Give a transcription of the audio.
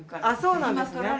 あそうなんですね。